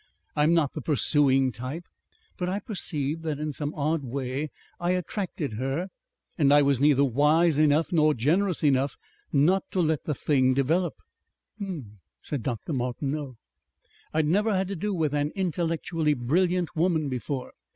I'm not the pursuing type. But I perceived that in some odd way I attracted her and I was neither wise enough nor generous enough not to let the thing develop." "H'm," said Dr. Martineau. "I'd never had to do with an intellectually brilliant woman before.